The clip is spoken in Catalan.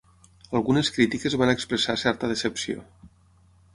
Algunes crítiques van expressar certa decepció.